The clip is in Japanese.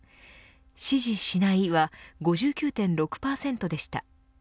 支持しないは５９．６％でした。